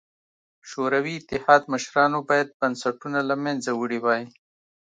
شوروي اتحاد مشرانو باید بنسټونه له منځه وړي وای.